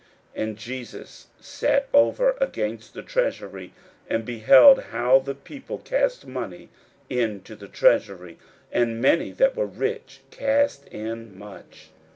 41:012:041 And Jesus sat over against the treasury, and beheld how the people cast money into the treasury: and many that were rich cast in much.